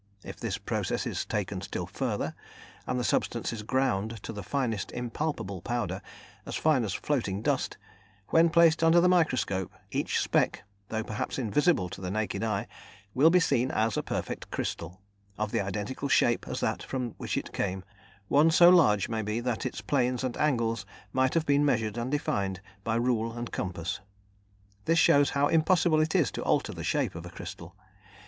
If this process is taken still further, and the substance is ground to the finest impalpable powder, as fine as floating dust, when placed under the microscope each speck, though perhaps invisible to the naked eye, will be seen a perfect crystal, of the identical shape as that from which it came, one so large maybe that its planes and angles might have been measured and defined by rule and compass. This shows how impossible it is to alter the shape of a crystal.